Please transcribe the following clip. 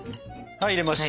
はい入れました。